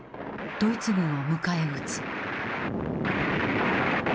ドイツ軍を迎え撃つ。